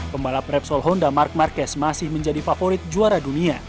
pembalap repsol honda mark marquez masih menjadi favorit juara dunia